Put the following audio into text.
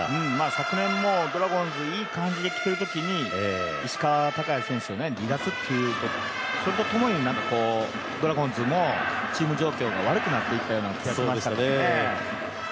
昨年もドラゴンズいい感じできているときに石川昂弥選手の離脱っていう、それとともにドラゴンズもチーム状況が悪くなっていったような感じでしたね。